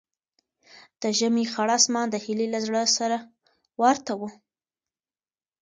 د ژمي خړ اسمان د هیلې له زړه سره ورته و.